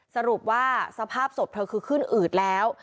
สรุปว่าสภาพศพเธอคือขึ้นอืดแล้ว